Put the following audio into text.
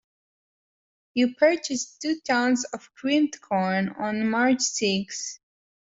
You purchased two tons of creamed corn on March sixth.